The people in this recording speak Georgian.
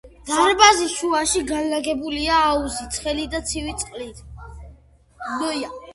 დარბაზის შუაში განლაგებულია აუზი ცხელი და ცივი წყლით.